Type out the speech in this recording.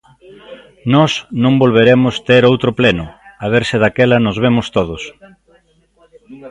Nós non volveremos ter outro pleno, a ver se daquela nos vemos todos.